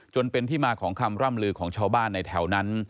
จนเป็นที่มาของคำร่ำลือของชาวบ้านในแถวนั้น